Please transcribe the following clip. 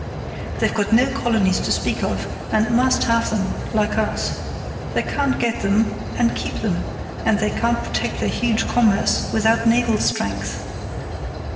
They've got no colonies to speak of, and must have them, like us. They can't get them and keep them, and they can't protect their huge commerce without naval strength.